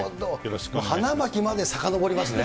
花巻までさかのぼりますね。